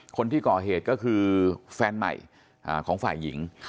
คนที่ก่อเหตุก็คือแฟนใหม่ของฝ่ายหญิง